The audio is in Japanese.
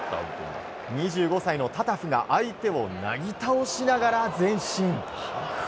２５歳のタタフが相手をなぎ倒しながら前進。